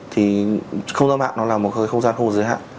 thì không gian mạng nó là một không gian hồ giới hạn